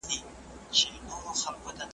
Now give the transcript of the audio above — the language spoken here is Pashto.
سلمان وویل قسمت کړي وېشونه .